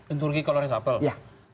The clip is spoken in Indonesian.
untung rugi kalau resapel